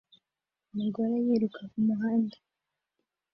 Umugore yiruka kumuhanda